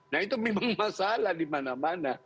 nah itu memang masalah di mana mana